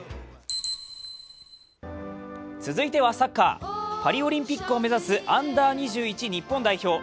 続いてはサッカーパリオリンピックを目指すＵ−２１日本代表。